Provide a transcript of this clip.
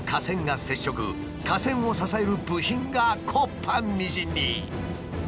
架線を支える部品が木っ端みじんに。